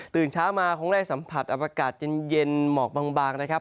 เช้ามาคงได้สัมผัสอากาศเย็นหมอกบางนะครับ